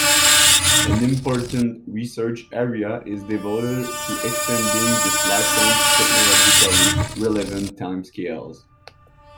An important research area is devoted to extending this lifetime to technologically relevant timescales.